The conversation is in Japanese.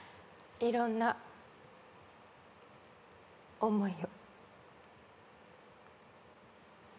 いろんな思いを。